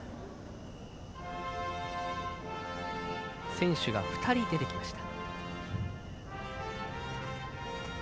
選手が２人出てきました。